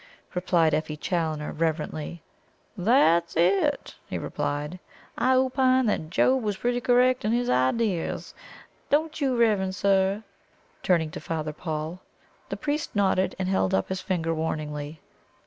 '" replied Effie Challoner reverently. "That's it!" he replied. "I opine that Job was pretty correct in his ideas don't you, reverend sir?" turning to Father Paul. The priest nodded, and held up his finger warningly.